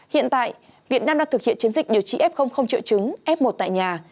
hiện tại việt nam đã thực hiện chiến dịch điều trị f không trựa chứng f một tại nhà